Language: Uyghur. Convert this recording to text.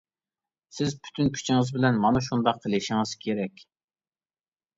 سىز پۈتۈن كۈچىڭىز بىلەن مانا شۇنداق قىلىشىڭىز كېرەك.